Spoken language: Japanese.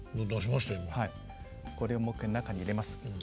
これをもう一回中に入れます。